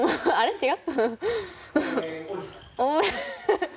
違う？